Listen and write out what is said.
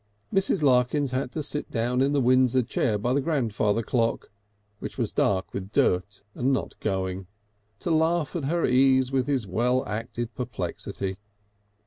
Mrs. Larkins had to sit down in the windsor chair by the grandfather clock (which was dark with dirt and not going) to laugh at her ease at his well acted perplexity.